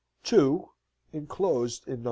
(enclosed in No.